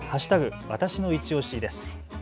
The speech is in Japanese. わたしのいちオシです。